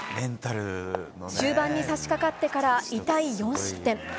終盤に差し掛かってから痛い４失点。